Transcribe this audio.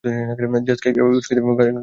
জ্যাক্সকে এভাবে উস্কে দিয়ে গাধামি করেছি!